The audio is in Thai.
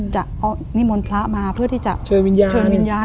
จะเอานิมนต์พระมาเพื่อที่จะเชิญวิญญาณเชิญวิญญาณ